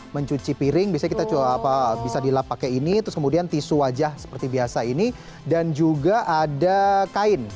mencuci piring bisa kita coba bisa dilap pakai ini terus kemudian tisu wajah seperti biasa ini dan juga ada kain